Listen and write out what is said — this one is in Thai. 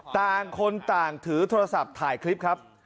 ต่างคนต่างถือโทรศัพท์ถ่ายคลิปครับ